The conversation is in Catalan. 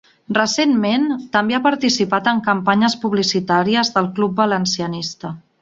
Recentment, també ha participat en campanyes publicitàries del club valencianista.